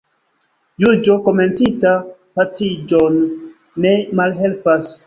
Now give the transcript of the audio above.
Juĝo komencita paciĝon ne malhelpas.